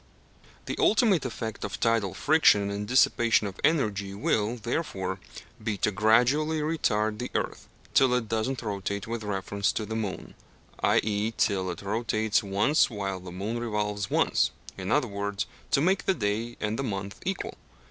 The ultimate effect of tidal friction and dissipation of energy will, therefore, be to gradually retard the earth till it does not rotate with reference to the moon, i.e. till it rotates once while the moon revolves once; in other words, to make the day and the month equal.